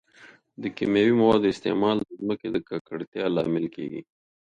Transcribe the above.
د کیمیاوي موادو استعمال د ځمکې د ککړتیا لامل کیږي.